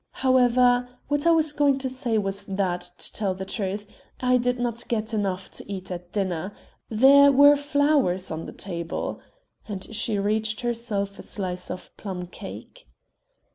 However, what I was going to say was that, to tell the truth, I did not get enough to eat at dinner there were flowers on the table," and she reached herself a slice of plum cake.